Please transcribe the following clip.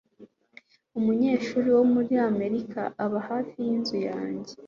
Umunyeshuri wo muri Amerika aba hafi yinzu yanjye.